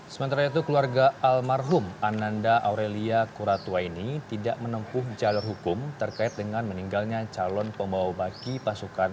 sementara itu keluarga almerhum ananda aurelia kuratu aini tidak menempuh jalur hukum terkait dengan meninggalnya calon pembawa bagi pasukan